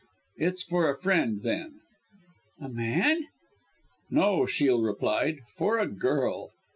"It's for a friend, then!" "A man?" "No," Shiel replied, "for a girl!"